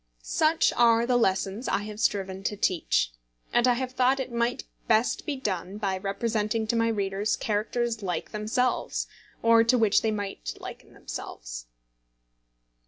Such are the lessons I have striven to teach; and I have thought it might best be done by representing to my readers characters like themselves, or to which they might liken themselves.